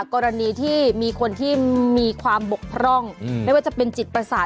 กรณีที่มีคนที่มีความบกพร่องไม่ว่าจะเป็นจิตประสาท